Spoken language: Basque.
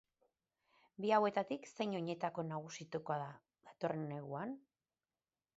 Bi hauetatik zein oinetako nagusituko da datorren neguan?